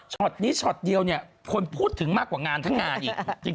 ชอตนี้ชอตเดียวควรพูดถึงมากกว่างานทั้งงานอีก